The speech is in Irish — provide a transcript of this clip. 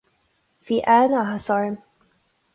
Bhí an-áthas orm.